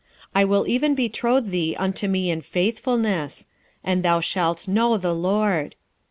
2:20 I will even betroth thee unto me in faithfulness: and thou shalt know the LORD.